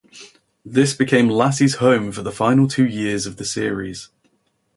This became Lassie's home for the final two years of the series.